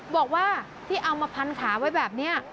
บอกว่าที่เอามาพันขาไว้แบบนี้